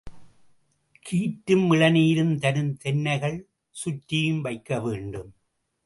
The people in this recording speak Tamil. கீற்றும் இளநீரும் தரும் தென்னைகள் சுற்றியும் வைக்க வேண்டும்.